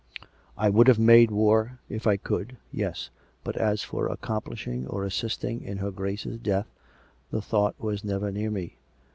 ... I would have made war, if I could, yes, but as for accomplishing or assisting in her Grace's death, the thought was never near me.